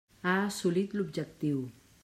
Ha assolit l'objectiu.